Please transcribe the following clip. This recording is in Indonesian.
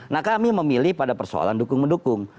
nah kami memilih pada persoalan dukung mendukung